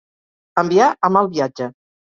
Enviar a mal viatge.